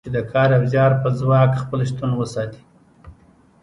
چې د کار او زیار په ځواک خپل شتون وساتي.